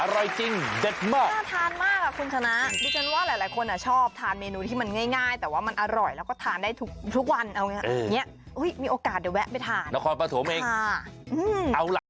อร่อยจริงเจ็บมากทานมากคุณชนะดิฉันว่าหลายหลายคนอ่ะชอบทานเมนูที่มันง่ายง่ายแต่ว่ามันอร่อยแล้วก็ทานได้ทุกทุกวันเอาไงเอออย่างเงี้ยอุ้ยมีโอกาสเดี๋ยวแวะไปทานละครประถมเองค่ะอืม